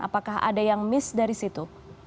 apakah ada yang miss dari situ